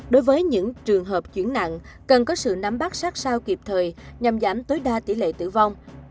đối với những trường hợp chuyển nặng cần có sự nắm bắt sát sao kịp thời nhằm giảm tối đa tỷ lệ tử vong